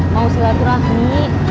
mau selatu rahmi